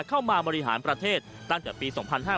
เข้ามาบริหารประเทศตั้งแต่ปี๒๕๕๙